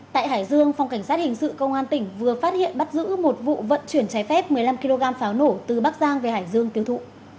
tại hải dương phòng cảnh sát hình sự công an tỉnh vừa phát hiện bắt giữ một vụ vận chuyển trái phép một mươi năm kg pháo nổ từ bắc giang về hải dương tiêu thụ